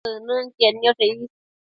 tsënënquied nioshe is